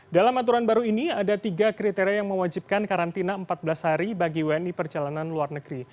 dalam aturan baru ini ada tiga kriteria yang mewajibkan karantina empat belas hari bagi wni perjalanan luar negeri